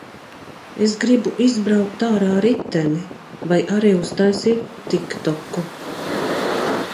Es gribu izbraukt ārā ar riteni. Vai arī uztaisīt tiktoku.